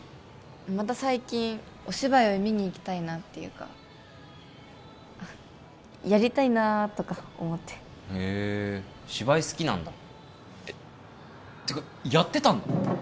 また最近お芝居を見に行きたいなっていうかやりたいなとか思ってへえ芝居好きなんだてかやってたの？